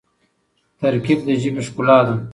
ترکیب د ژبي ښکلا ده.